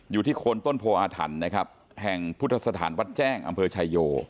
อยู่ที่โคนต้นโพออาถรรพ์นะครับแห่งพุทธสถานวัดแจ้งอำเภอชายโย